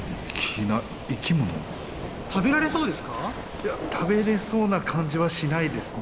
いや食べれそうな感じはしないですね。